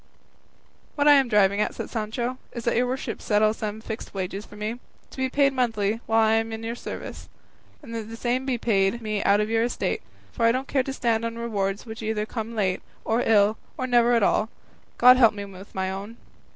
"What I am driving at," said Sancho, "is that your worship settle some fixed wages for me, to be paid monthly while I am in your service, and that the same be paid me out of your estate; for I don't care to stand on rewards which either come late, or ill, or never at all; God help me with my own.